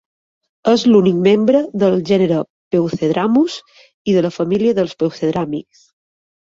És l'únic membre del gènere "Peucedramus" i de la família dels peucedràmids.